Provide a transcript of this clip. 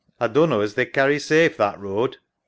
A dunno as they'd carry safe that road.